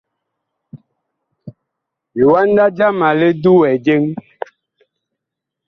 Liwanda jama li duwɛ jeŋ.